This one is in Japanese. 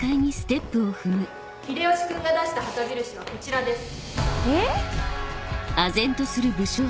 秀吉君が出した旗印はこちらです。